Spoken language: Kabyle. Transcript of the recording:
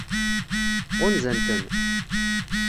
Ɣunzan-ten?